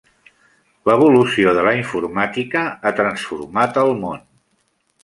L'evolució de la informàtica ha transformat el món.